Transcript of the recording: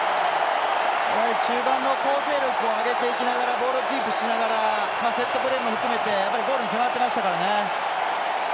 中盤の構成力を上げていきながらボールをキープしながらセットプレーも含めてゴールに迫ってましたからね。